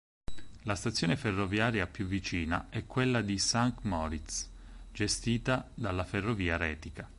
La stazione ferroviaria più vicina è quella di Sankt Moritz, gestita dalla Ferrovia Retica.